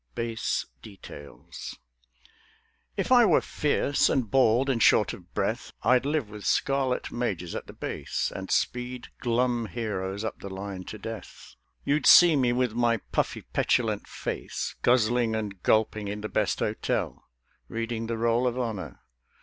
BASE DETAILS If I were fierce, and bald, and short of breath, I'd live with scarlet Majors at the Base, And speed glum heroes up the line to death. You'd see me with my puffy petulant face, Guzzling and gulping in the best hotel, Reading the Roll of Honour.